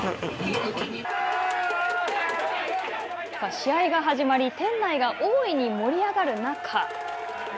試合が始まり店内が大いに盛り上がる中。